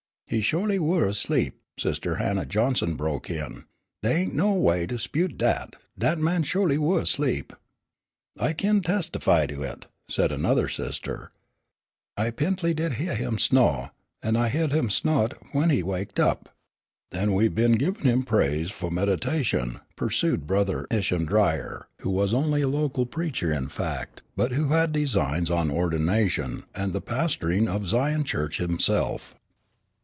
"He sholy were asleep," sister Hannah Johnson broke in, "dey ain't no way to 'spute dat, dat man sholy were asleep." "I kin testify to it," said another sister, "I p'intly did hyeah him sno', an' I hyeahed him sno't w'en he waked up." "An' we been givin' him praise fu' meditation," pursued Brother Isham Dyer, who was only a local preacher, in fact, but who had designs on ordination, and the pastoring of Zion Church himself.